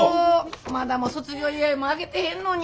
まだ卒業祝もあげてへんのに。